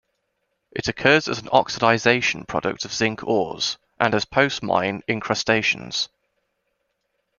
It occurs as an oxidation product of zinc ores and as post mine incrustations.